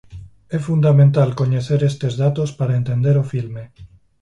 É fundamental coñecer estes datos para entender o filme.